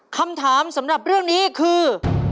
คำถามสำหรับเรื่องนี้คือ